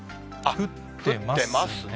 降ってますね。